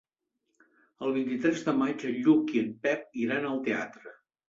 El vint-i-tres de maig en Lluc i en Pep iran al teatre.